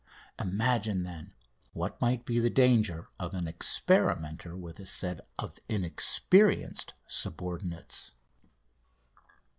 Imagine, then, what might be the danger of an experimenter with a set of inexperienced subordinates.